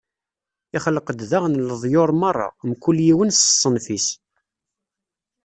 Ixleq-d daɣen leḍyur meṛṛa, mkul yiwen s ṣṣenf-is.